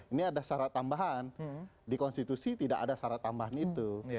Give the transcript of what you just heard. ini ada syarat tambahan di konstitusi tidak ada syarat tambahan itu